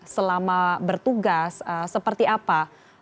selama bertugas seperti apa